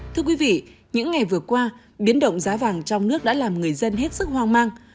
thưa quý vị những ngày vừa qua biến động giá vàng trong nước đã làm người dân hết sức hoang mang